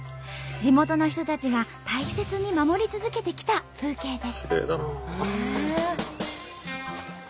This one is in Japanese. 地元の人たちが大切に守り続けてきた風景です。